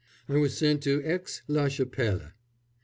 I was sent to Aix la Chapelle.